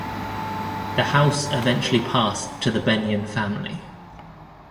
The house eventually passed to the Benyon family.